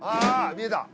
見えた。